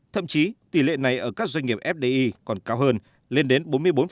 thậm chí tỷ lệ này ở các doanh nghiệp fdi còn cao hơn lên đến bốn mươi bốn